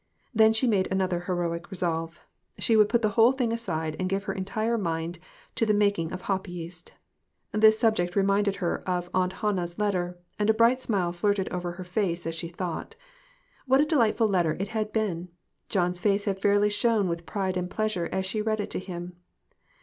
Then she made another heroic resolve; she would put the whole thing aside and give her entire mind to the making of hop yeast. This subject reminded her of Aunt Hannah's letter, and a bright smile flitted over her face as she thought. What a delightful letter it had been! John's face had fairly shone with pride and pleas ure as she read it to him.